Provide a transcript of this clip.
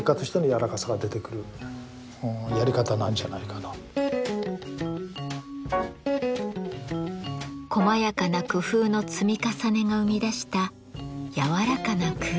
さらにこまやかな工夫の積み重ねが生み出した柔らかな空間。